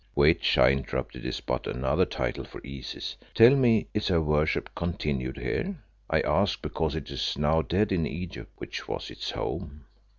"Which," I interrupted, "is but another title for Isis. Tell me, is her worship continued here? I ask because it is now dead in Egypt, which was its home."